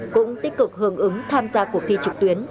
cũng tích cực hưởng ứng tham gia cuộc thi trực tuyến